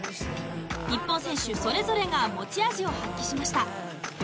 日本選手それぞれが持ち味を発揮しました。